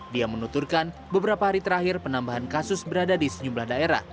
dia menuturkan beberapa hari terakhir penambahan kasus berada di sejumlah daerah